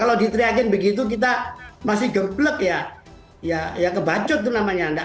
kalau diteriakin begitu kita masih gembek ya ya ya